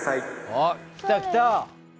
あっ来た来た。